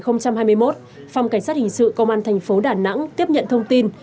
năm hai nghìn hai mươi một phòng cảnh sát hình sự công an thành phố đà nẵng tiếp nhận thông tin